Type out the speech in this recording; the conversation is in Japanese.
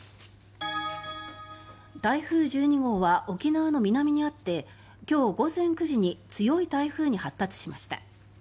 台風１２号は沖縄の南にあって今日午前９時に強い台風に発達しました。